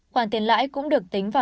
khoản tiền lãi cũng được tính